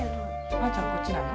あーちゃんこっちなの？